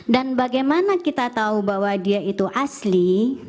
dan bagaimana kita tahu bahwa dia itu asli